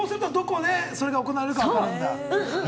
そうすると、どこで行われるか分かるんだ。